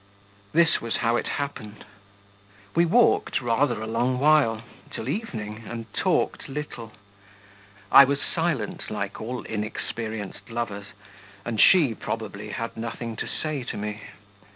This was how it happened. We walked rather a long while, till evening, and talked little. I was silent, like all inexperienced lovers, and she, probably, had nothing to say to me.